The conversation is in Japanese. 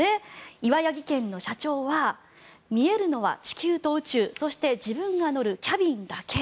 岩谷技研の社長は見えるのは地球と宇宙そして自分が乗るキャビンだけ。